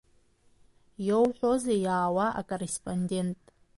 Иоуҳәозеи иаауа акорреспондент?